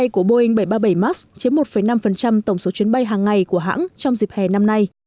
của boeing bảy trăm ba mươi bảy max chiếm một năm tổng số chuyến bay hàng ngày của hãng trong dịp hè năm nay